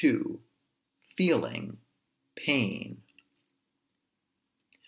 FEELING. PAIN.